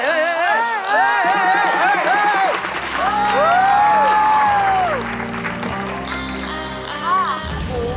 โอ้โฮโอ้โฮโอ้โฮโอ้โฮ